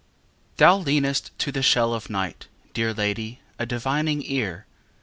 XXVI Thou leanest to the shell of night, Dear lady, a divining ear.